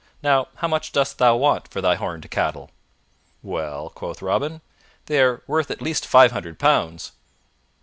Now how much dost thou want for thy horned cattle?" "Well," quoth Robin, "they are worth at least five hundred pounds."